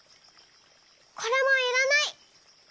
これもいらない。